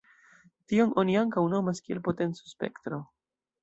Tion oni ankaŭ nomas kiel potenco-spektro.